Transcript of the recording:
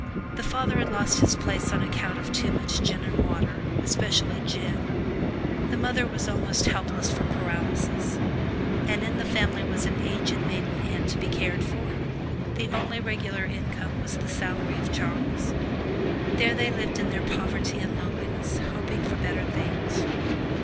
The father had lost his place on account of too much gin and water, especially gin; the mother was almost helpless from paralysis, and in the family was an aged maiden aunt to be cared for. The only regular income was the salary of Charles. There they lived in their poverty and lowliness, hoping for better things!